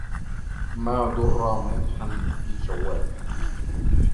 ما ضر مدحا في جواد